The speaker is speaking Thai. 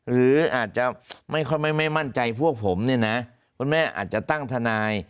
หรืออาจจะไม่มั่นใจพวกผมเนี่ยนะคุณแม่อาจจะตั้งทนาย